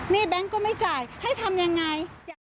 นี่แบงค์ก็ไม่จ่ายให้ทำยังไง